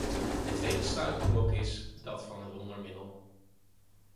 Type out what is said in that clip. Het tweede struikelblok is dat van het wondermiddel.